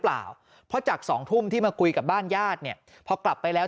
เปล่าเพราะจากสองทุ่มที่มาคุยกับบ้านญาติเนี่ยพอกลับไปแล้ว